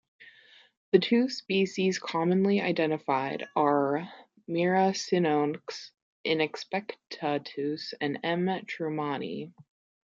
The two species commonly identified are Miracinonyx inexpectatus and M. trumani.